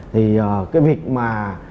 thì cái việc mà